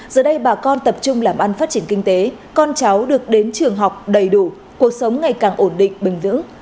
giờ đây bà con tập trung làm ăn phát triển kinh tế con cháu được đến trường học đầy đủ cuộc sống ngày càng ổn định bình vững